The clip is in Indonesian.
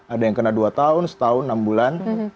ada yang kena dua tahun satu tahun enam bulan